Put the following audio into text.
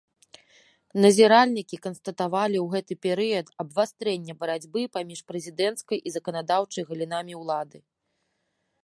Назіральнікі канстатавалі ў гэты перыяд абвастрэнне барацьбы паміж прэзідэнцкай і заканадаўчай галінамі ўлады.